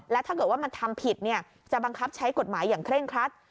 และถ้าเกิดว่ามันทำผิดจะบังคับใช้กฎหมายอย่างเคร่งครัด